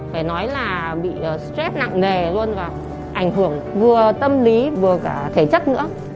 phải nói là bị stress nặng nề luôn và ảnh hưởng vừa tâm lý vừa cả thể chất nữa